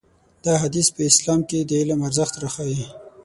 دا حديث په اسلام کې د علم ارزښت راښيي.